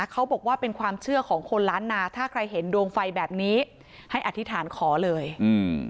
เขาบอกว่าเป็นความเชื่อของคนล้านนาถ้าใครเห็นดวงไฟแบบนี้ให้อธิษฐานขอเลยอืม